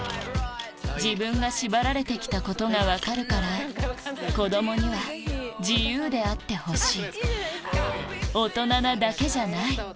「自分が縛られて来たことが分かるから子供には自由であってほしい」「大人なだけじゃない」